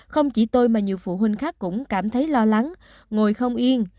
không chỉ tôi mà nhiều phụ huynh khác cũng cảm thấy lo lắng ngồi không yên